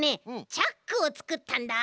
チャックをつくったんだ。